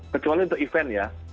kecuali untuk event ya